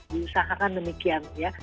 diusahakan demikian ya